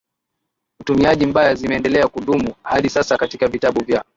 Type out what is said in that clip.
utumiaji mbaya zimeendelea kudumu hadi sasa katika vitabu vya